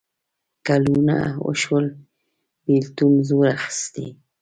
کلونه وشول بېلتون زور اخیستی.